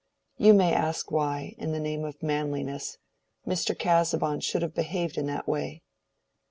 You may ask why, in the name of manliness, Mr. Casaubon should have behaved in that way.